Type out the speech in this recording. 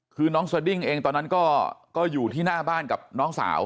คือน้องสดิ้งเองตอนนั้นก็อยู่ที่หน้าบ้านกับน้องสาว